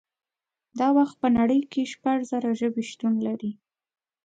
دا وخت په نړۍ کې شپږ زره ژبې شتون لري